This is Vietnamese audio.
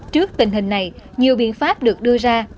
trước tình hình này nhiều biện pháp được đưa ra